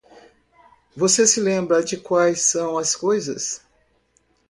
Você se lembra de quais são as coisas?